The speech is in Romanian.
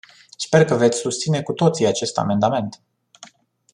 Sper că veți susține cu toții acest amendament.